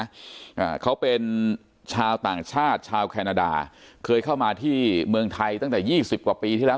อ่าเขาเป็นชาวต่างชาติชาวแคนาดาเคยเข้ามาที่เมืองไทยตั้งแต่ยี่สิบกว่าปีที่แล้ว